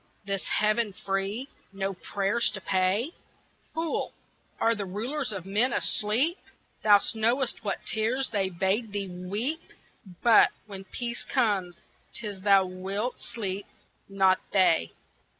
This heaven free no prayers to pay? Fool are the Rulers of men asleep? Thou knowest what tears They bade thee weep, But, when peace comes, 'tis thou wilt sleep, not They.